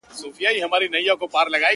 تر ډېره د هیواد حالاتو ته شاعرانه عکس العمل